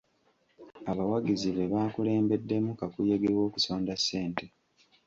Abawagizi be bakulembeddemu kakuyege w'okusonda ssente.